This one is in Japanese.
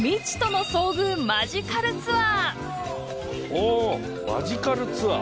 おマジカルツアー